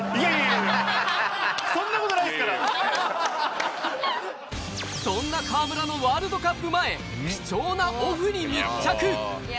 いやいや、そんなことないでそんな河村のワールドカップ前、貴重なオフに密着。